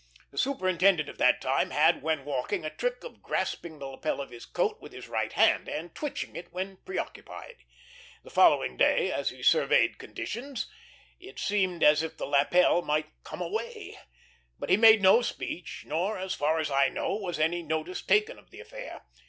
The superintendent of that time had, when walking, a trick of grasping the lapel of his coat with his right hand, and twitching it when preoccupied. The following day, as he surveyed conditions, it seemed as if the lapel might come away; but he made us no speech, nor, as far as I know, was any notice taken of the affair.